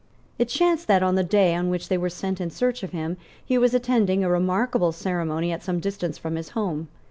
It chanced that, on the day on which they were sent in search of him, he was attending a remarkable ceremony at some distance from his home.